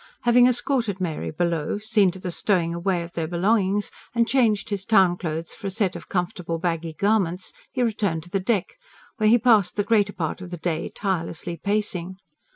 Having escorted Mary below, seen to the stowing away of their belongings and changed his town clothes for a set of comfortable baggy garments, he returned to the deck, where he passed the greater part of the day tirelessly pacing.